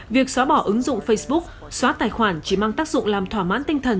việc xóa bỏ ứng dụng facebook xóa tài khoản chỉ mang tác dụng làm thỏa mãn tinh thần